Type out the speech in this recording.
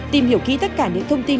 tìm hiểu kỹ tất cả những thông tin